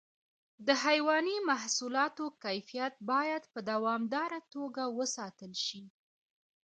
د حیواني محصولاتو کیفیت باید په دوامداره توګه وساتل شي.